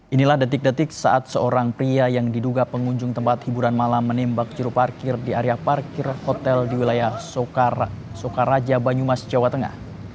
inilah detik detik saat seorang pria yang diduga pengunjung tempat hiburan malam menembak juru parkir di area parkir hotel di wilayah soekaraja banyumas jawa tengah